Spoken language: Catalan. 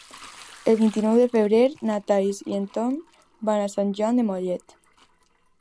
El vint-i-nou de febrer na Thaís i en Tom van a Sant Joan de Mollet.